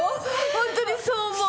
ホントにそう思う？